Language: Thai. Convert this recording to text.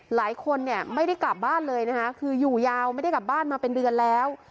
หลายคนเนี่ยไม่ได้กลับบ้านเลยนะคะคืออยู่ยาวไม่ได้กลับบ้านมาเป็นเดือนแล้ว